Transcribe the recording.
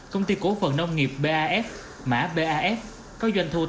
công ty cổ phần nông nghiệp baf mã baf có doanh thu tám trăm linh